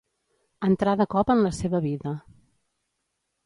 Entrà de cop en la seva vida.